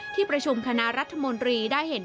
ที่ประชุมคณะรัฐมนตรีได้เห็น